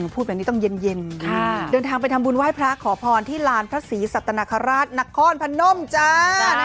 พูดแบบนี้ต้องเย็นเดินทางไปทำบุญไหว้พระขอพรที่ลานพระศรีสัตนคราชนครพนมจ้า